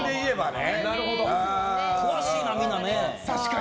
詳しいな、みんな。